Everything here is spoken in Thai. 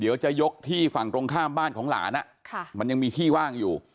เดี๋ยวจะยกที่ฝั่งตรงข้ามบ้านของหลานมันยังมีที่ว่างอยู่